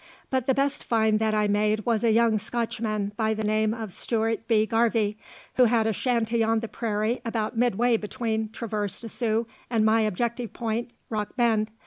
But the best find that I made was a young Scotchman by the name of Stuart B. Garvie, who had a shanty on the prairie about midway between Traverse des Sioux and my objective point, Rock Bend.